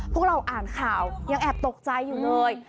พวกเราอ่านข่าวยังแอบตกใจอยู่เลย